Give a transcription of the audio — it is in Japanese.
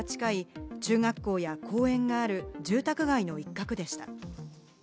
ＪＲ蒲田駅から近い、中学校や公園がある住宅街の一角でした。